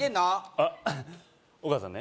あっお母さんね